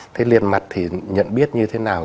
thế liệt mặt thì nhận biết như thế nào